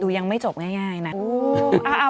ยังไม่จบง่ายนะ